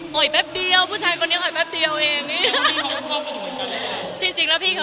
พวกเราอายไงพี่ใช่ค่ะ